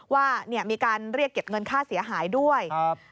ว่ามีการเรียกเก็บเงินค่าเสียหายด้วย